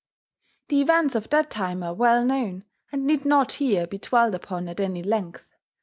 The events of that time are well known, and need not here be dwelt upon at any length.